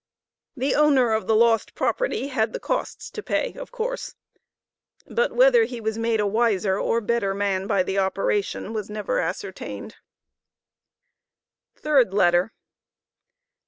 The owner of the lost property had the costs to pay of course, but whether he was made a wiser or better man by the operation was never ascertained. THIRD LETTER.